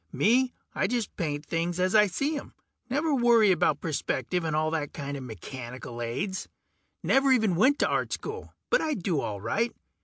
Me, I just paint things as I see 'em. Never worry about perspective and all that kinda mechanical aids. Never even went to Art School. But I do all right.